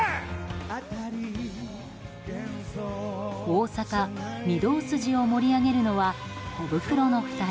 大阪・御堂筋を盛り上げるのはコブクロの２人。